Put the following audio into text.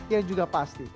yang juga pasti